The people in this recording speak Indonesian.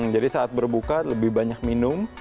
jadi saat berbuka lebih banyak minum